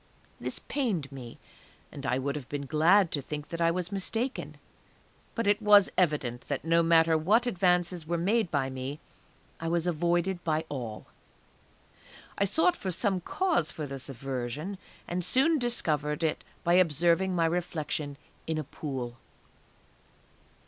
This pained me, and I would have been glad to think that I was mistaken; but it was evident that no matter what advances were made by me, I was avoided by all. I sought for some cause for this aversion, and soon discovered it by observing my reflection in a pool.